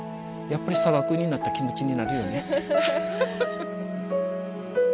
やっぱりサバクイになった気持ちになるよね。